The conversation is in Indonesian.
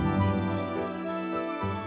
aduh tega banget sih galau banget